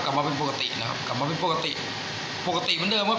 กลับมาเป็นปกตินะครับกลับมาเป็นปกติปกติเหมือนเดิมครับ